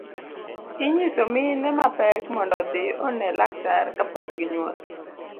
Inyiso mine mapek mondo odhi one laktar kapok ginyuol.